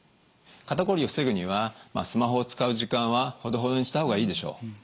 肩こりを防ぐにはスマホを使う時間はほどほどにした方がいいでしょう。